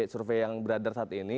survei yang beredar saat ini